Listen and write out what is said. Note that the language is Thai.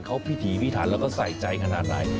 เขาพิถีพิถันแล้วก็ใส่ใจขนาดไหน